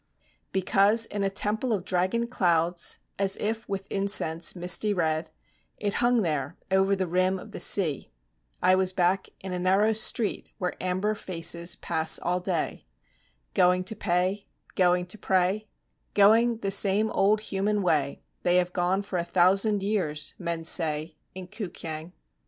Because in a temple of dragon clouds, As if with incense misty red, It hung there over the rim of the sea, I was back in a narrow street, Where amber faces pass all day, Going to pay, going to pray, Going the same old human way They have gone for a thousand years, men say, In K'u Kiang.